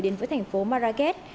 đến với thành phố marrakech